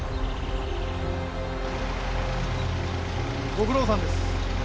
ご苦労さんです。